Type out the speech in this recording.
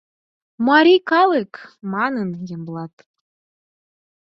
«Марий калык! — манын Ямблат.